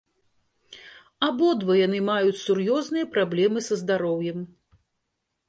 Абодва яны маюць сур'ёзныя праблемы са здароўем.